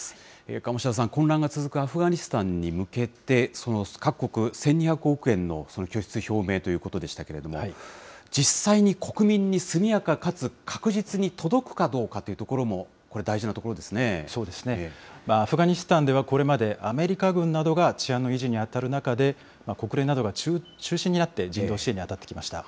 鴨志田さん、混乱が続くアフガニスタンに向けて、その各国、１２００億円の拠出表明ということでしたけれども、実際に国民に速やかかつ確実に届くかどうかというところも、これ、そうですね、アフガニスタンではこれまで、アメリカ軍などが治安の維持に当たる中で、国連などが中心になって人道支援に当たってきました。